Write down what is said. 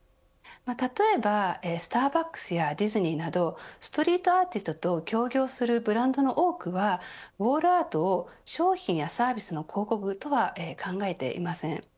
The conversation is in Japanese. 例えばスターバックスやディズニーなどストリートアーティストと協業するブランドの多くはウォールアートを商品やサービスの広告とは考えていません。